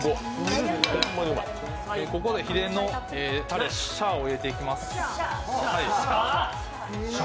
ここで秘伝のたれを入れていきます。